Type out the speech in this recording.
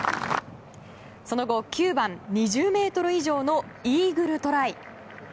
その後、９番２０ｍ以上のイーグルトライ。